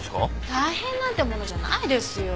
大変なんてものじゃないですよ。